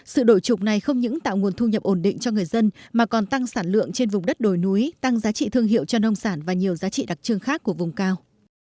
sự đổi trục này không những tạo nguồn thu nhập ổn định cho người dân mà còn tăng sản lượng trên vùng đất đồi núi tăng giá trị thương hiệu cho nông sản và nhiều giá trị đặc trưng khác của vùng cao